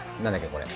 これ。